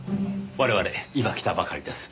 我々今来たばかりです。